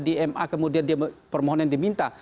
di ema kemudian permohonan diminta